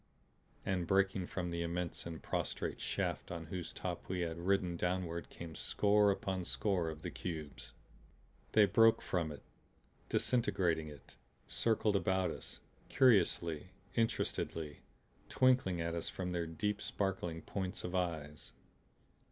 And breaking from the immense and prostrate shaft on whose top we had ridden downward came score upon score of the cubes. They broke from it, disintegrating it; circled about us, curiously, interestedly, twinkling at us from their deep sparkling points of eyes.